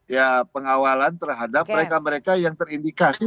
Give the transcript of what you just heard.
ya pengawalan terhadap mereka mereka yang terindikasi